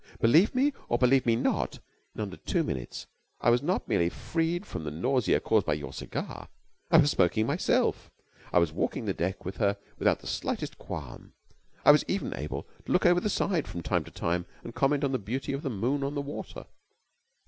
"Believe me or believe me not, in under two minutes I was not merely freed from the nausea caused by your cigar. I was smoking myself! I was walking the deck with her without the slightest qualm. I was even able to look over the side from time to time and comment on the beauty of the moon on the water